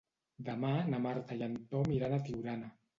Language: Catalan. Demà na Marta i en Tom iran a Tiurana.